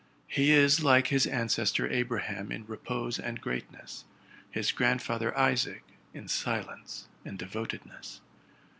He is like his ancestor Abraham in repose and greatness, his grandfather Isaac in silence and devotedness.